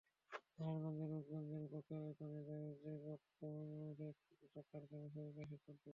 নারায়ণগঞ্জের রূপগঞ্জে বকেয়া বেতনের দাবিতে রপ্তানিমুখী একটি পোশাক কারখানার শ্রমিকেরা বিক্ষোভ করেছেন।